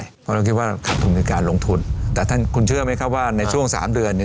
เพราะเราคิดว่าขาดทุนในการลงทุนแต่ท่านคุณเชื่อไหมครับว่าในช่วงสามเดือนเนี่ย